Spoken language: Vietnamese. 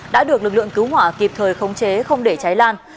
đã được lực lượng cứu hỏa kịp thời khống chế không để cháy lan